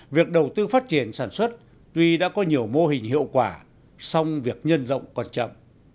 việc đầu tư phát triển sản xuất tuy đã có nhiều mô hình hiệu quả song việc nhân rộng còn chậm